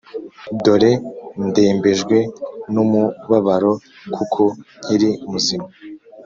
dore ndembejwe n’umubabaro, kuko nkiri muzima’